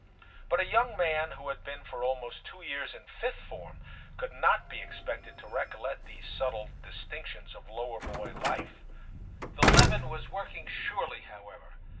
But a young man who had been for almost two years in Fifth Form could not be expected to recollect these subtle distinctions of lower boy life. VII TIM 143 The leaven was working surely, however.